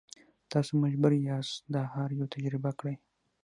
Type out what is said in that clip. تاسو مجبور یاست دا هر یو تجربه کړئ.